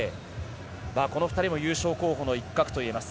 この２人も優勝候補の一角といえます。